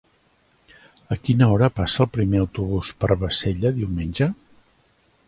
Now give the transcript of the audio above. A quina hora passa el primer autobús per Bassella diumenge?